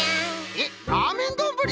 えっラーメンどんぶり？